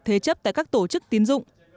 thế chấp tại các tổ chức tiến dụng